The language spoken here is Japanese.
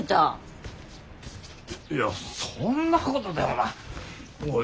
いやそんなことてお前